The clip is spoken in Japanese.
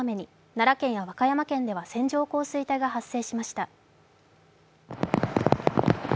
奈良県や和歌山県では線状降水帯が発生しました。